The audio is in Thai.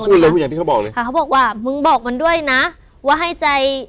พูดเลยพูดอย่างที่เขาบอกเลยค่ะเขาบอกว่ามึงบอกมันด้วยนะว่าให้ใจ